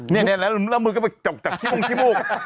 เนี่ยแล้วมึงก็ไปจอกจากที่มุ่ง